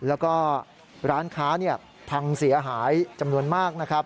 แล้วก็ร้านค้าพังเสียหายจำนวนมากนะครับ